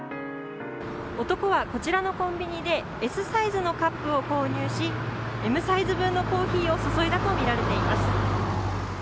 男はこちらのコンビニでＳサイズのカップを購入し、Ｍサイズ分のコーヒーを注いだとみられています。